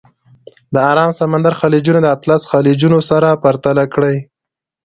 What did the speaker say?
د ارام سمندر خلیجونه د اطلس خلیجونه سره پرتله کړئ.